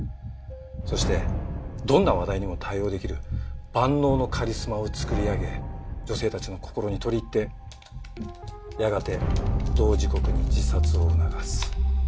そしてどんな話題にも対応できる万能のカリスマを作り上げ女性たちの心に取り入ってやがて同時刻に自殺を促す。